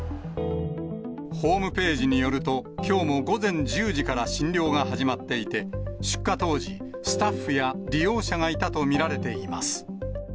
ホームページによると、きょうも午前１０時から診療が始まっていて、出火当時、スタッフや利用者がいたと見られています。